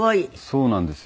そうなんですよ。